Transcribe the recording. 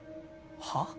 はっ？